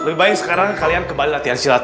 lebih baik sekarang kalian kembali latihan silat